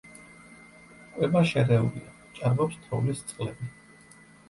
კვება შერეულია, ჭარბობს თოვლის წყლები.